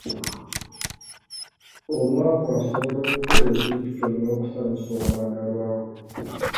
Omwavu asobola okukola ekintu kyonna okusanyusa omwagalwa we.